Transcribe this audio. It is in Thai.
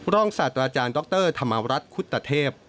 ร่องศาสตราจารย์ดรธรรมาวรัตคุฏเทพ